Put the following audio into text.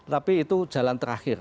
tapi itu jalan terakhir